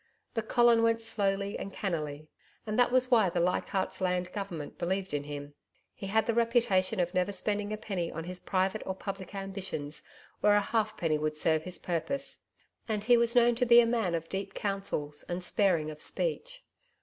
But Colin went slowly and cannily and that was why the Leichardt's Land Government believed in him. He had the reputation of never spending a penny on his private or public ambitions where a halfpenny would serve his purpose, and he was known to be a man of deep counsels and sparing of speech.